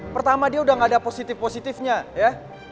pertama dia udah gak ada positif positifnya ya